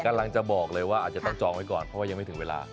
กำลังจะบอกเลยว่าอาจจะต้องจองไว้ก่อนเพราะว่ายังไม่ถึงเวลา